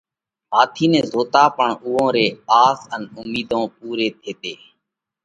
هاٿي نہ زاتا پڻ اُوئون رئِي آس ان اُمِيڌون پُوري ٿيتي۔